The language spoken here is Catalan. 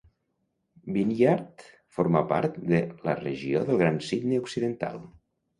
Vineyard forma part de la regió del Gran Sydney Occidental.